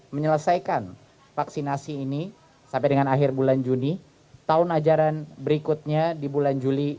menyelesaikan vaksinasi ini sampai dengan akhir bulan juni tahun ajaran berikutnya di bulan juli